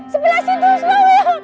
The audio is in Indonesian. sebelah situ snowy